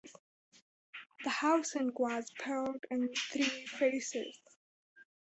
The housing was built in three phases.